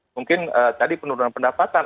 mungkin tadi penurunan pendapatan